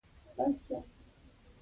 زه د علم په زده کړه کې نه هڅه کوم.